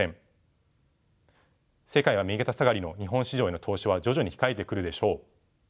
世界は右肩下がりの日本市場への投資は徐々に控えてくるでしょう。